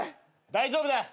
大丈夫だ。